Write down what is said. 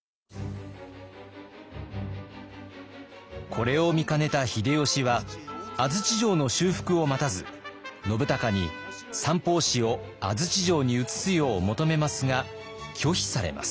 これを見かねた秀吉は安土城の修復を待たず信孝に三法師を安土城に移すよう求めますが拒否されます。